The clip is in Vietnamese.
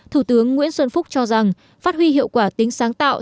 thủ tướng nguyễn xuân phúc cho rằng phát huy hiệu quả tính sáng tạo